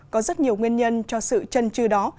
có rất nhiều nguyên nhân cho sự chân trư đó